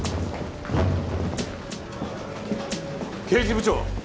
刑事部長！